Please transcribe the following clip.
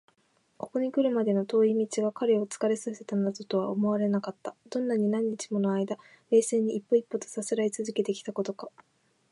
ここにくるまでの遠い道が彼を疲れさせたなどとは思われなかった。どんなに何日ものあいだ、冷静に一歩一歩とさすらいつづけてきたことか！